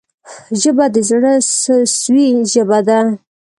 ژبه د زړه سوي ژبه ده